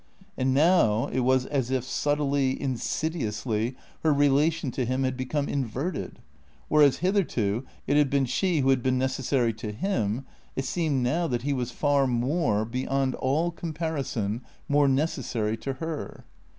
And now it was as if subtly, insidiously, her relation to him had become inverted. Whereas hitherto it had been she who had been necessary to him, it seemed now that he was far more, beyond all comparison more necessary to her.